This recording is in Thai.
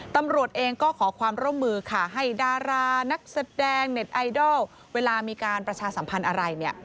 ตำรวจเองก็ขอความร่วมมือค่ะให้ดารานักแสดงเน็ตไอดอลเวลามีการประชาสัมพันธ์อะไรเนี่ย